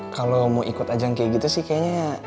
kalau mau ikut ajang kayak gitu sih kayaknya